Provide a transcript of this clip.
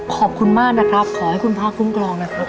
ขอบคุณมากนะครับขอให้คุณพระคุ้มครองนะครับ